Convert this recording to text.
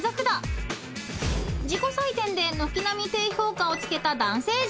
［自己採点で軒並み低評価を付けた男性陣］